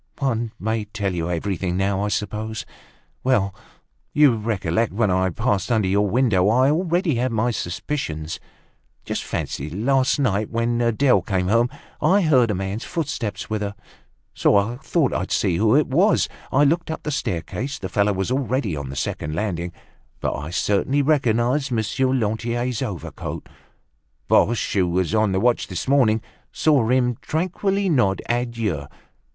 One may tell you everything now, I suppose. Well! You recollect when I passed under your window, I already had my suspicions. Just fancy, last night, when Adele came home, I heard a man's footsteps with hers. So I thought I would see who it was. I looked up the staircase. The fellow was already on the second landing; but I certainly recognized Monsieur Lantier's overcoat. Boche, who was on the watch this morning, saw him tranquilly nod adieu.